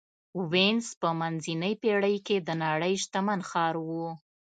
وینز په منځنۍ پېړۍ کې د نړۍ شتمن ښار و